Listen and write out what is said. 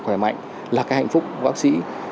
khỏe mạnh là cái hạnh phúc của bác sĩ